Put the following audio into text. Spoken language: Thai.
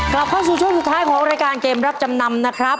กลับเข้าสู่ช่วงสุดท้ายของรายการเกมรับจำนำนะครับ